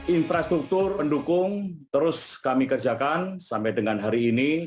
infrastruktur pendukung terus kami kerjakan sampai dengan hari ini